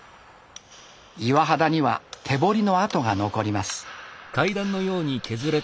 岩肌には手彫りの跡が残ります。